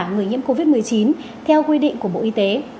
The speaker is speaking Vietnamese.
người nhiễm covid một mươi chín theo quy định của bộ y tế